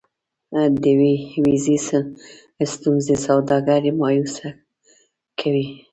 د ویزې ستونزې سوداګر مایوسه کوي.